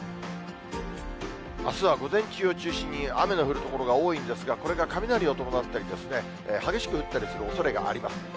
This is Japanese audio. あすは午前中を中心に雨の降る所が多いんですが、これが雷を伴ったり、激しく降ったりするおそれがあります。